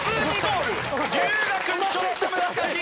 龍我君ちょっと難しい！